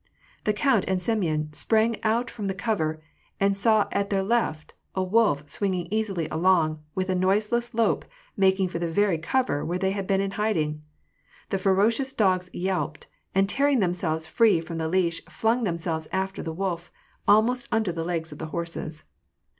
The count and Semyon sprang out from the cover, and saw at their left a wolf swinging easily along, and with a noiseless lope making for the very cover where they had been in hiding. The ferocious dogs yelped, and, tearing themselves free from the leash, flung themselves after the wolf, almost under the legs of the horses.